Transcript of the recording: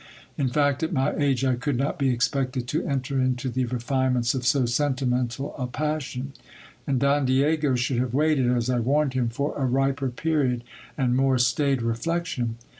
In fact, at my age, I could not be expected to enter into the refinements of so sentimental a passion ; and Don Diego should have waited, as I warned him, for a riper period and more staid reflection.